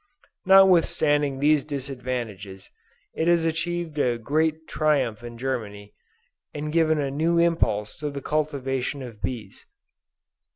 Notwithstanding these disadvantages, it has achieved a great triumph in Germany, and given a new impulse to the cultivation of bees.